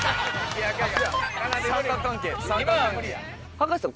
葉加瀬さん